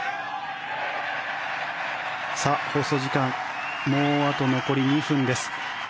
放送時間もうあと残り２分です。